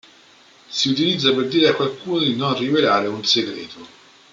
Si utilizza per dire a qualcuno di non rivelare un segreto.